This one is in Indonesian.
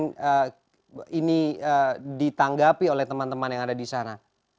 kemudian ini ditanggapi oleh teman teman yang ada di sana